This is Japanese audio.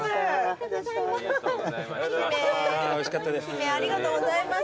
姫ありがとうございます。